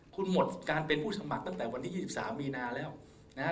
คุณหมดการเป็นผู้สมัครตั้งแต่วันที่๒๓มีนาแล้วนะฮะ